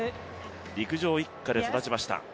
陸上一家で育ちました。